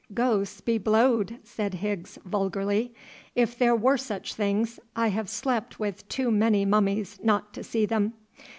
"Ghosts be blowed!" said Higgs vulgarly, "if there were such things I have slept with too many mummies not to see them.